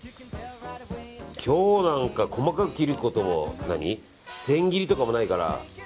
今日なんか細かく切ることも千切りとかもないから。